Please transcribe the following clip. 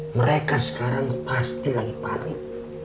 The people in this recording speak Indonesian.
mereka sekarang pasti lagi panik